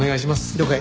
了解。